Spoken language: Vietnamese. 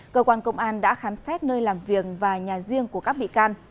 cơ quan công an đã khám xét nơi làm việc và nhà riêng của các bị can